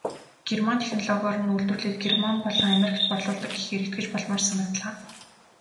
Герман технологиор нь үйлдвэрлээд Герман болон Америкт борлуулдаг гэхээр итгэж болмоор санагдлаа.